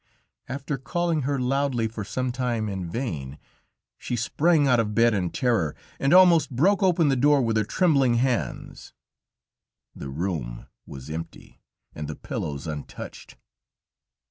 After calling her loudly for some time in vain, she sprang out of bed in terror and almost broke open the door with her trembling hands. The room was empty, and the pillows untouched.